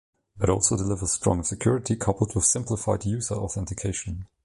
It also delivers stronger security coupled with simplified user authentication.